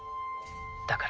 だから。